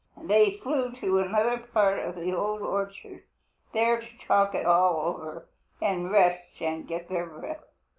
They flew to another part of the Old Orchard, there to talk it all over and rest and get their breath.